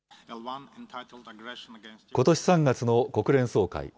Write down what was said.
ことし３月の国連総会。